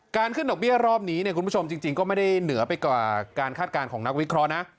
ขึ้นดอกเบี้ยรอบนี้เนี่ยคุณผู้ชมจริงก็ไม่ได้เหนือไปกว่าการคาดการณ์ของนักวิเคราะห์นะ